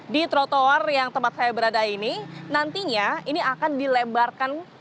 di trotoar yang tempat saya berada ini nantinya ini akan dilebarkan